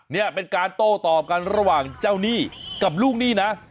นี่เป็นการโต้ตอบกันระหว่างเจ้าหนี้กับลูกหนี้นะ